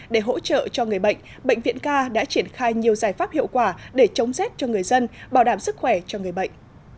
để hỗ trợ cho người bệnh bệnh viện k đã triển khai nhiều giải pháp hiệu quả để chống rét cho người dân bảo đảm sức khỏe cho người bệnh